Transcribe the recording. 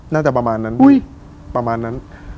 น่าจะประมาณนั้น